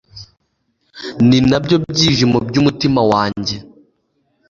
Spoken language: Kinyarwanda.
ni na byo byishimo by'umutima wanjye